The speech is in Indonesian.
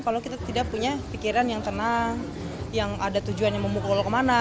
kalau kita tidak punya pikiran yang tenang yang ada tujuannya memukul kemana